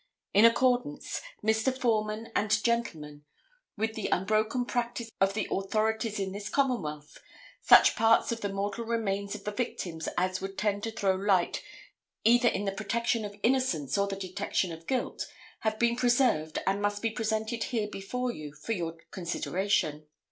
In accordance, Mr. Foreman and gentlemen, with the unbroken practice of the authorities in this Commonwealth, such parts of the mortal remains of the victims as would tend to throw light either in the protection of innocence or the detection of guilt, have been preserved and must be presented here before you for your consideration.